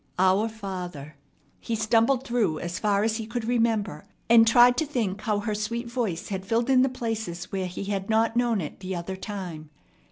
"Our Father" he stumbled through as far as he could remember, and tried to think how her sweet voice had filled in the places where he had not known it the other time.